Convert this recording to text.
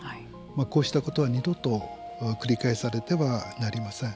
こうしたことは二度と繰り返されてはなりません。